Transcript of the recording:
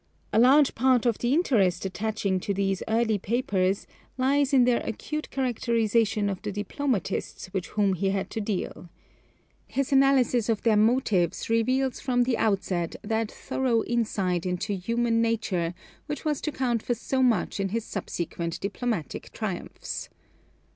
A large part of the interest attaching to these early papers lies in their acute characterization of the diplomatists with whom he had to deal. His analysis of their motives reveals from the outset that thorough insight into human nature which was to count for so much in his subsequent diplomatic triumphs.